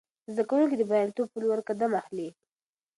زده کوونکي د بریالیتوب په لور قدم اخلي.